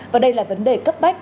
và đây là vấn đề cấp bách